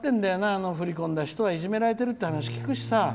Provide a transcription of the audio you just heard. あの振り込んだ人はいじめられてるって話聞くしさ。